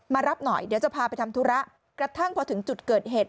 มารับหน่อยเดี๋ยวจะพาไปทำธุระกระทั่งพอถึงจุดเกิดเหตุ